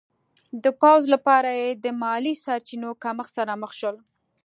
د پوځ لپاره یې د مالي سرچینو کمښت سره مخ شو.